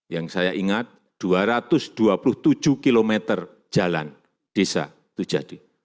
yang saya ingat dua ratus dua puluh tujuh km jalan desa itu jadi